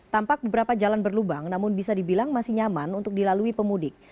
tampak beberapa jalan berlubang namun bisa dibilang masih nyaman untuk dilalui pemudik